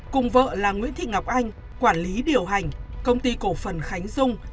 cùng vợ là nguyễn thị ngọc anh quản lý điều hành công ty cổ phần khánh dung